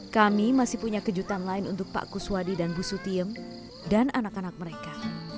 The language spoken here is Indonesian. kami masih punya kejutan lain untuk pak kuswadi dan bu sutiem dan anak anak mereka